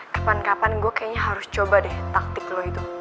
kapan kapan gue kayaknya harus coba deh taktik lo itu